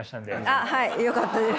あっはいよかったです。